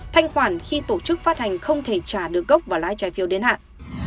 thanh khoản khi tổ chức phát hành không thể trả được gốc và lãi trái phiếu đến hạn